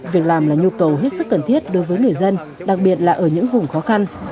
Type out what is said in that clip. việc làm là nhu cầu hết sức cần thiết đối với người dân đặc biệt là ở những vùng khó khăn